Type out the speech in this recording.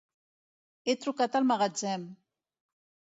He trucat el magatzem.